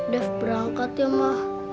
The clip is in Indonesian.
dave berangkat ya ma